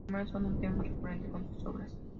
Los animales son un tema recurrente en sus obras.